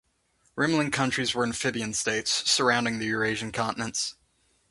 Rimland countries were amphibian states, surrounding the Eurasian continents.